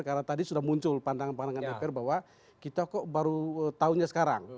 karena tadi sudah muncul pandangan pandangan dpr bahwa kita kok baru tahunnya sekarang